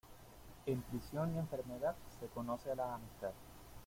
En prisión y enfermedad, se conoce la amistad.